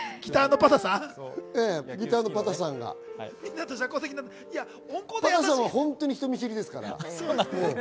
ＰＡＴＡさんは本当に人見知りですから。